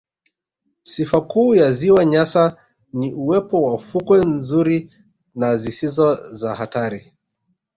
Sifa kuu ya ziwa Nyasa ni uwepo wa fukwe nzuri na zisizo za hatari